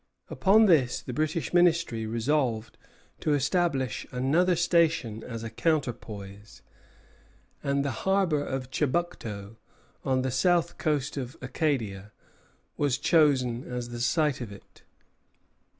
Upon this the British Ministry resolved to establish another station as a counterpoise; and the harbor of Chebucto, on the south coast of Acadia, was chosen as the site of it.